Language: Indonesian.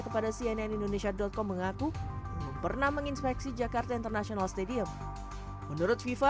kepada cnn indonesia com mengaku belum pernah menginspeksi jakarta international stadium menurut fifa